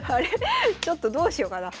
ちょっとどうしようかな。